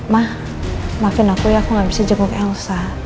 ma maafin aku ya aku nggak bisa jemput elsa